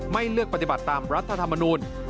ไม่เลือกปฏิบัติตามรัฐธรรมนูล